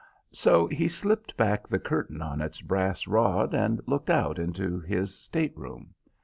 So he slipped back the curtain on its brass rod and looked out into his state room.